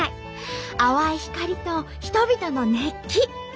淡い光と人々の熱気。